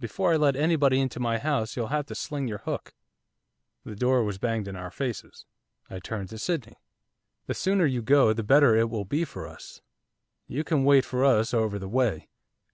Before I let anybody into my house you'll have to sling your hook.' The door was banged in our faces. I turned to Sydney. 'The sooner you go the better it will be for us. You can wait for us over the way.